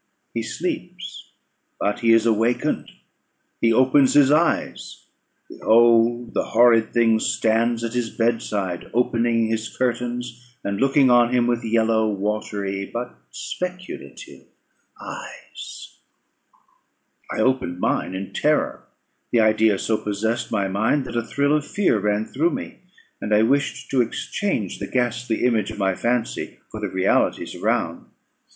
He sleeps; but he is awakened; he opens his eyes; behold the horrid thing stands at his bedside, opening his curtains, and looking on him with yellow, watery, but speculative eyes. I opened mine in terror. The idea so possessed my mind, that a thrill of fear ran through me, and I wished to exchange the ghastly image of my fancy for the realities around.